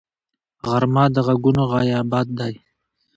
غرمه د غږونو غیابت دی